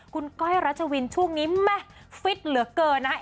คุณก้อยรัชวินช่วงนี้แม่ฟิตเหลือเกินนะคะ